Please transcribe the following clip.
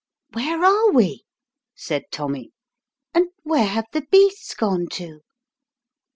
(HERE are we?" said Tommy, "and where have the beasts gone to?"